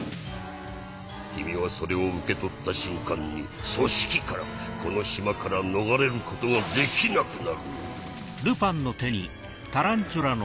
君はそれを受け取った瞬間に組織からこの島から逃れることができなくなるのだ。